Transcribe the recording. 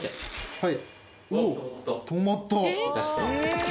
はい。